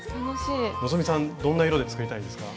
希さんどんな色で作りたいですか？